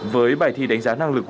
với bài thi đánh giá năng lực